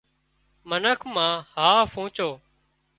منک مان هاهَه پونچو